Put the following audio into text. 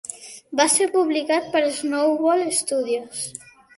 Va ser publicat per Snowball Studios.